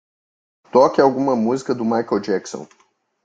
Toque alguma música do Michael Jackson.